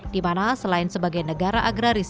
dimana selain sebagai negara agraris